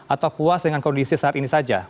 atau puas dengan kondisi saat ini saja